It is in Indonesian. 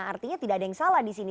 artinya tidak ada yang salah disini